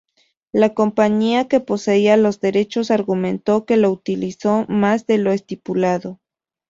La compañía que poseía los derechos argumentó que lo utilizó "más de lo estipulado".